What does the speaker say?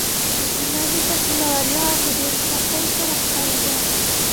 پښيماني پکې له ورايه په ډېرې سختۍ سره ښکاريده.